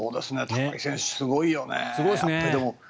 すごいよね。